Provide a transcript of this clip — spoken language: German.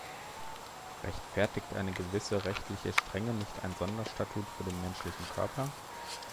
Rechtfertigt eine gewisse rechtliche Strenge nicht ein Sonderstatut für den menschlichen Körper?